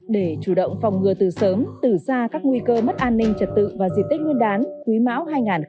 để chủ động phòng ngừa từ sớm từ xa các nguy cơ mất an ninh trật tự và diệt tích nguyên đán quý mão hai nghìn hai mươi ba